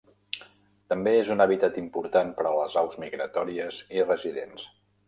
També és un hàbitat important per a les aus migratòries i residents.